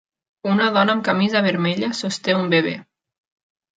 Una dona amb camisa vermella sosté un bebè.